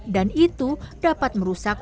dan itu dapat merusak